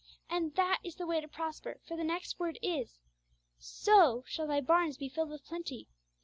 And that is the way to prosper, for the next word is, 'So shall thy barns be filled with plenty.'